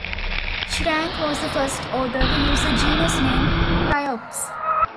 Shrank was the first author to use the genus name "Triops".